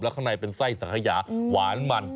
ข้างในเป็นไส้สังขยาหวานมัน